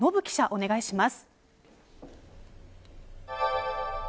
お願いします。